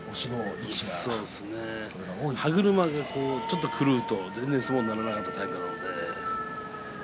歯車が、ちょっと狂うと全然相撲にならなかったタイプなので。